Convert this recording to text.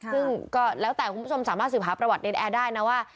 ซึ่งก็แล้วแต่คุณผู้ชมสามารถสืบหาประวัติเนรนแอร์ได้นะว่า